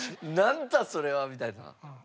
「なんだそれは」みたいな。